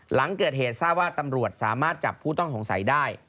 หลังเกิดเหตุทราบว่าตำรวจสามารถจับผู้ต้องสงสัยได้